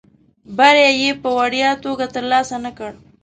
بری یې په وړیا توګه ترلاسه نه کړ.